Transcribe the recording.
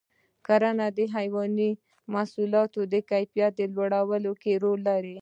کرنه د حیواني محصولاتو د کیفیت لوړولو کې رول لري.